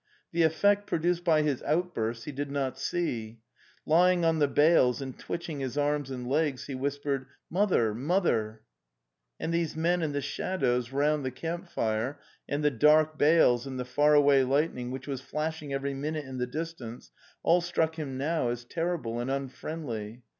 The effect pro duced by his outburst he did not see. Lying on the dales and twitching his arms and legs, he whispered: '' Mother, mother! "' And these men and the shadows round the camp fire, and the dark bales and the far away lightning, which was flashing every minute in the distance — all struck him now as terrible and unfriendly.